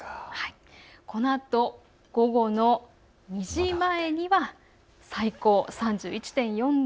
このあと午後２時前には最高、３１．４度。